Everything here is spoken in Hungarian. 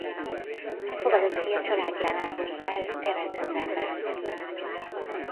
Fogadott fia családjánál hunyt el Leverkusenben.